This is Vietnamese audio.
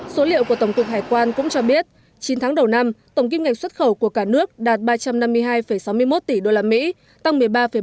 số liệu của tổng cục hải quan cũng cho biết chín tháng đầu năm tổng kim ngạch xuất khẩu của cả nước đạt ba trăm năm mươi hai sáu mươi một tỷ usd tăng một mươi ba bảy